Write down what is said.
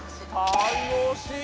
楽しい！